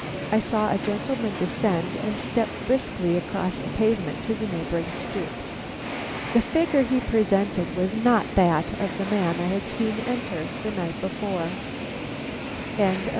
I saw a gentleman descend and step briskly across the pavement to the neighboring stoop. The figure he presented was not that of the man I had seen enter the night before.